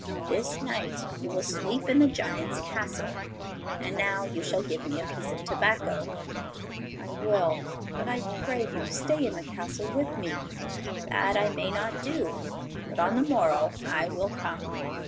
This night, you will sleep in the giant's castle. And now you shall give me a piece of tobacco.' 'I will. But, I pray you, stay in the castle with me.' 'That I may not do, but on the morrow I will come.